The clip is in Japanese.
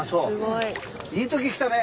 いい時来たね。